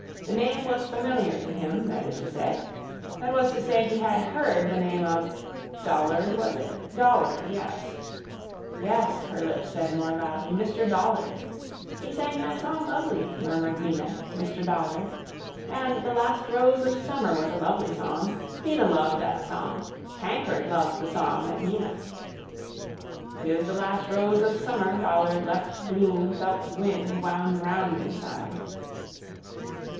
The name was familiar to him, that is to say. That was to say he had heard the name of. Dollard, was it? Dollard, yes. Yes, her lips said more loudly, Mr Dollard. He sang that song lovely, murmured Mina. Mr Dollard. And The last rose of summer was a lovely song. Mina loved that song. Tankard loved the song that Mina. 'Tis the last rose of summer dollard left bloom felt wind wound round inside.